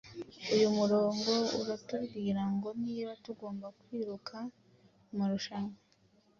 Uyu murongo uratubwira ngo niba tugomba kwiruka mu marushanwa,